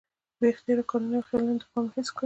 بې اختياره کارونه او خيالونه د پامه هېڅ کړي